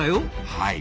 はい。